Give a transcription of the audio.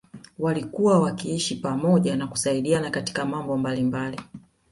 Walikuwa wakiishi pamoja na kusaidiana katika mambo mbalimbali